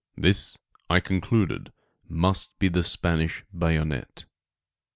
This, I concluded, must be the Spanish bayonet.